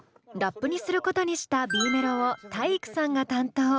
ラップにすることにしたＢメロを体育さんが担当。